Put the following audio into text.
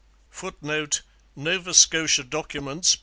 [Footnote: Nova Scotia Documents, p.